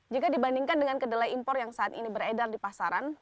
jika dibandingkan dengan kedelai impor yang saat ini beredar di pasaran